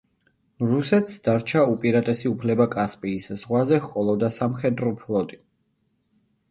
რუსეთს დარჩა უპირატესი უფლება კასპიის ზღვაზე ჰყოლოდა სამხედრო ფლოტი.